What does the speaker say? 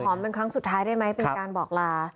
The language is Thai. เป็นครั้งสุดท้ายได้ไหมเป็นการบอกลา